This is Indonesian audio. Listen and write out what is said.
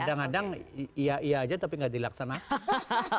kadang kadang iya iya aja tapi nggak dilaksanakan